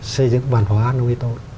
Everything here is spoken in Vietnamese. xây dựng văn hóa nuôi tốt